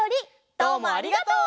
どうもありがとう。